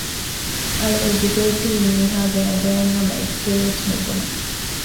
އަޅެ އެބިދޭސީ މިހާގެ އަނގައިން ހަމައެއްޗެއްވެސް ނުބުނެ